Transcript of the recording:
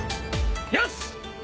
よし！